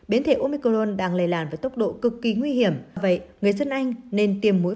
biến thể omicron đang lây lan với tốc độ cực kỳ nguy hiểm vậy người dân anh nên tiêm mũi